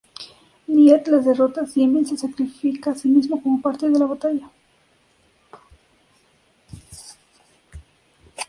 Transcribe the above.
Nier las derrota, y Emil se sacrifica así mismo como parte de la batalla.